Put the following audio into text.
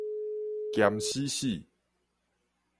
鹹死死